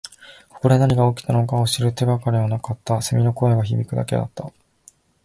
ここで何が起きたのかを知る手がかりはなかった。蝉の声が響くだけだった。